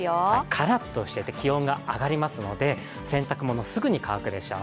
カラッとしてて気温が上がりますので洗濯物、すぐに乾くでしょう。